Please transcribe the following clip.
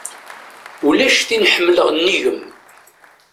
Ulac tin ḥemleɣ nnig-m.